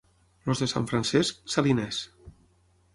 Els de Sant Francesc, saliners.